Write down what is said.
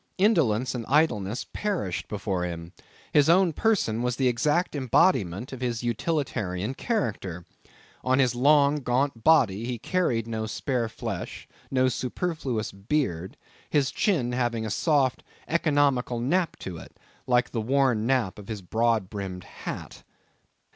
Indolence and idleness perished before him. His own person was the exact embodiment of his utilitarian character. On his long, gaunt body, he carried no spare flesh, no superfluous beard, his chin having a soft, economical nap to it, like the worn nap of his broad brimmed hat.